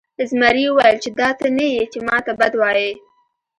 زمري وویل چې دا ته نه یې چې ما ته بد وایې.